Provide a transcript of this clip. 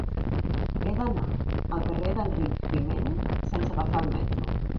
He d'anar al carrer d'Enric Giménez sense agafar el metro.